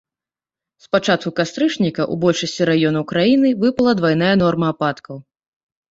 З пачатку кастрычніка ў большасці раёнаў краіны выпала двайная норма ападкаў.